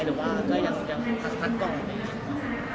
หรือว่าก็อยากพักบอก